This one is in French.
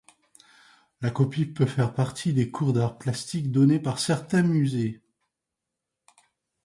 La copie peut faire partie de cours d'arts plastiques donnés par certains musées.